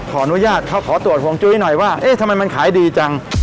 ขออนุญาตเขาขอตรวจห่วงจุ้ยหน่อยว่าเอ๊ะทำไมมันขายดีจัง